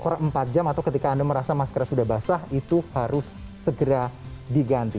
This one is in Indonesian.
kurang empat jam atau ketika anda merasa maskernya sudah basah itu harus segera diganti